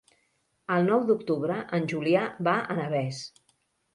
El nou d'octubre en Julià va a Navès.